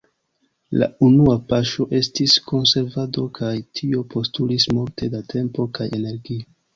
La unua paŝo estis konservado, kaj tio postulis multe da tempo kaj energio.